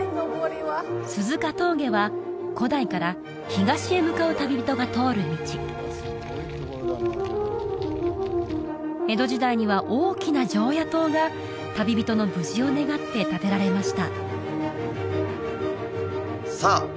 鈴鹿峠は古代から東へ向かう旅人が通る道江戸時代には大きな常夜燈が旅人の無事を願って建てられましたさあ